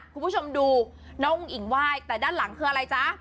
คุณผู้ชมดูน้องอุ้งอิ๋งไหว้แต่ด้านหลังคืออะไรจ๊ะ